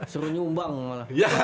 seru nyumbang malah